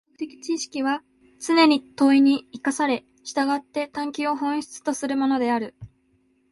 科学的知識はつねに問に生かされ、従って探求を本質とするものである。